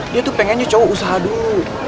dia tuh pengennya cowok usaha dulu